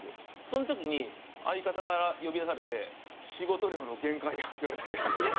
その時に相方から呼び出されて「仕事量の限界や」って言われて。